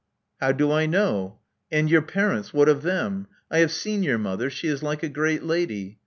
How do I know? And your parents, what of them? I have seen your mother: she is like a great lady.